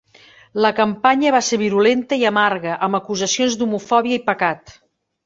La campanya va ser virulenta i amarga, amb acusacions d'homofòbia i pecat.